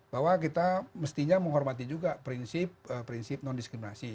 bahwa kita mestinya menghormati juga prinsip prinsip non diskriminasi